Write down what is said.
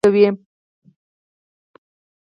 هند افغان لوبغاړو ته درناوی کوي.